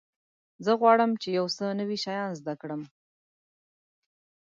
زه غواړم چې یو څه نوي شیان زده کړم.